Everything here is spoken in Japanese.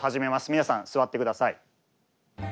皆さん座ってください。